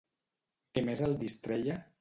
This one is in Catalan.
Què més el distreia?